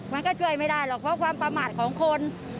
มันก็ช่วยไม่ได้หรอกเพราะความประมาทของคน